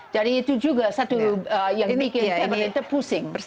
jadi itu juga satu yang bikin pemerintah pusing